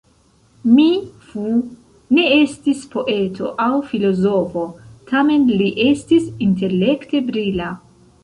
Mi Fu ne estis poeto aŭ filozofo, tamen li estis intelekte brila.